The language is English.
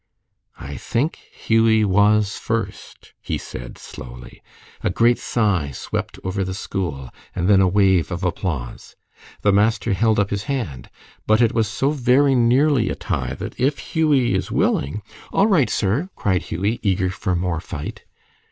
"I think Hughie was first," he said, slowly. A great sigh swept over the school, and then a wave of applause. The master held up his hand. "But it was so very nearly a tie, that if Hughie is willing " "All right, sir," cried Hughie, eager for more fight.